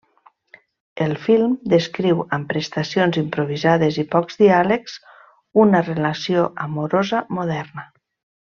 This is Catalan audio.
El film descriu amb prestacions improvisades i pocs diàlegs, una relació amorosa moderna.